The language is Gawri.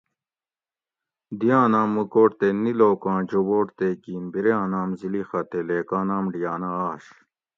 دیاں نام موکوٹ تے نیلوکاں جوبوٹ تے گین بیریاں نام زلیخہ تے لیکاں نام ڈیانہ آش